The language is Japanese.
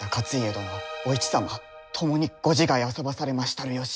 殿お市様共にご自害あそばされましたる由。